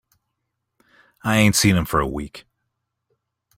I ain't seen him for a week.